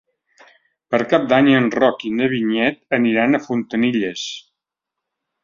Per Cap d'Any en Roc i na Vinyet aniran a Fontanilles.